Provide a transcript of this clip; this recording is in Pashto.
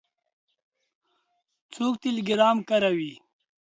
څوک ټیلیګرام کاروي؟